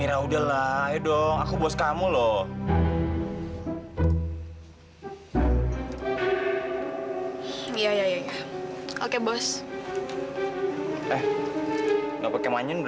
alasannya cocok banget loh bu